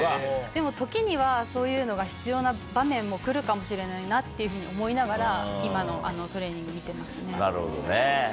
でも時にはそういうのが必要な場面も来るかもしれないなっていうふうに思いながら今のトレーニング見てますね。